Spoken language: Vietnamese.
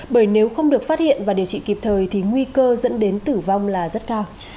bởi nếu không được phát hiện và điều trị kịp thời thì nguy cơ dẫn đến tử vong là rất cao